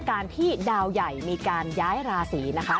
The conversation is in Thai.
การที่ดาวใหญ่มีการย้ายราศีนะคะ